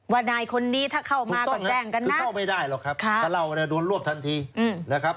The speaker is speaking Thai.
นายคนนี้ถ้าเข้ามาก็แจ้งกันคือเข้าไม่ได้หรอกครับถ้าเล่านะโดนรวบทันทีนะครับ